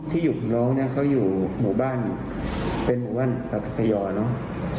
ที่อยู่ของน้องเนี่ยเขาอยู่หมู่บ้านเป็นหมู่บ้านรัฐพยอเนอะ